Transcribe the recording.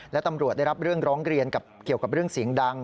และตำรวจได้รับเรื่องร้องเรียนเกี่ยวกับเรื่องเสียงดัง